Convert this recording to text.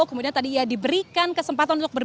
kemudian tadi ya diberikan kesempatan untuk mengusung capres